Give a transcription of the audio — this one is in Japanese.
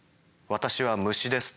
「私は虫です」。